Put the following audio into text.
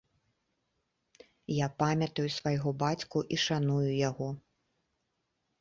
Я памятаю свайго бацьку і шаную яго.